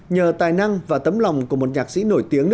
nhờ tài năng và tấm lòng của một nhạc sĩ nổi tiếng